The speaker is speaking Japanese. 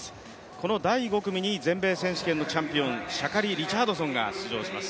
この第５組に全米選手権のチャンピオン、シャカリ・リチャードソンが登場します。